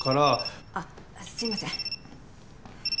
あっすいません。